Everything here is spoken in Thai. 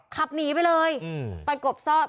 ขับหนีไปเลย